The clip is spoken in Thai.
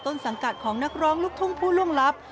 สังกัดของนักร้องลูกทุ่งผู้ล่วงลับ